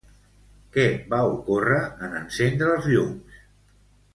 Què va ocórrer en encendre els llums?